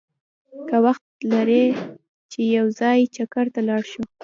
که وخت لرې چې یو ځای چکر ته لاړ شو!